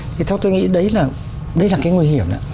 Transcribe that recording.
thì theo tôi nghĩ đấy là cái nguy hiểm đó